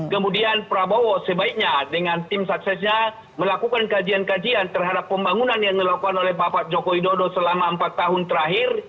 kemudian prabowo sebaiknya dengan tim suksesnya melakukan kajian kajian terhadap pembangunan yang dilakukan oleh bapak joko widodo selama empat tahun terakhir